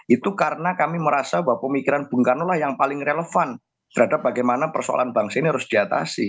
itu karena kami merasa bahwa pemikiran bung karno lah yang paling relevan terhadap bagaimana persoalan bangsa ini harus diatasi